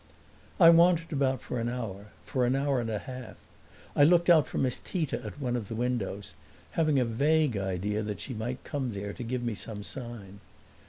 I wandered about for an hour for an hour and a half. I looked out for Miss Tita at one of the windows, having a vague idea that she might come there to give me some sign.